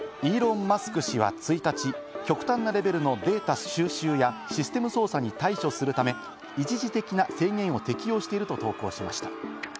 イーロン・マスク氏は１日、極端なレベルのデータ収集やシステム操作に対処するため、一時的な制限を適用していると投稿しました。